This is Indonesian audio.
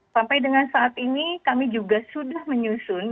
sampai dengan saat ini kami juga sudah menyusun